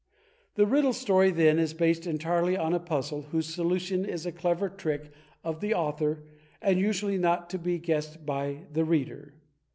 The Riddle Story, then, is based entirely on a puzzle whose solution is a clever trick of the author and usually not to be guessed by the reader.